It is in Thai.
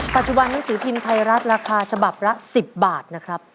ปัจจุบันหนังสือพิมพ์ไทยรัฐราคาฉบับละ๑๐บาทนะครับ